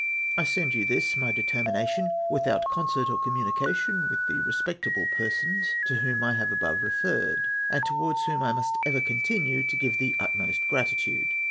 I send you this my determination without concert or communication with the respectable persons to whom I have above referred, and towards whom I must ever continue to give the utmost gratitude.